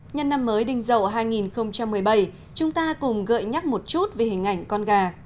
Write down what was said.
nhân năm mới đình dậu hai nghìn một mươi bảy chúng ta cùng gợi nhắc một chút về hình ảnh con gà